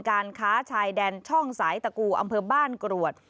การค้าชายแดนช่องสายตะกูอำเภอบ้านกรวด